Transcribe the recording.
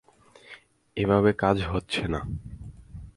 এভাবে কাজ হচ্ছে না।